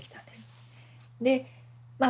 でまあ